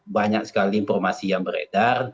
banyak sekali informasi yang beredar